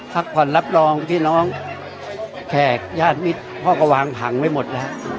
พักผ่อนรับรองพี่น้องแขกญาติมิตรพ่อก็วางผังไว้หมดแล้ว